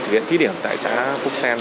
thực hiện thí điểm tại xã phúc sen